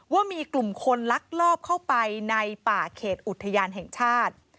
ว่ามีกลุ่มคนลักลอบเข้าไปในป่าเขตอุทยานแห่งชาติ